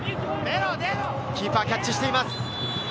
キーパー、キャッチしています。